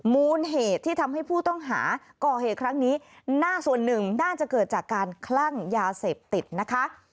มูลเหตุที่ทำให้ผู้ต้องหาก่อเหตุครั้งนี้น่าส่วนหนึ่งน่าจะเกิดจากการคลั่งยาเสพติดนะคะ